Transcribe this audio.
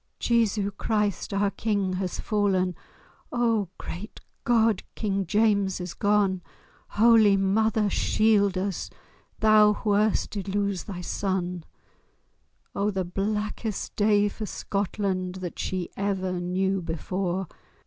"Jesu Christ! our King has fallen— O Great God, King James is gone! Holy mother Mary, shield us, Thou who erst did lose thy Son! O the blackest day for Scotland That she ever knew before!